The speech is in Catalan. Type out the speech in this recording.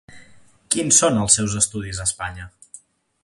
Quins són els seus estudis a Espanya?